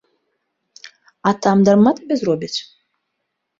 А там дарма табе зробяць?